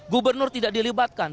gubernur tidak dilibatkan